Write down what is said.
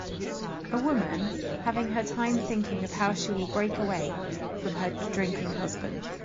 A woman having her time thinking of how she will break away from her drinking husband